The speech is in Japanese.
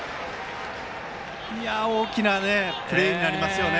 大きなプレーになりますよね。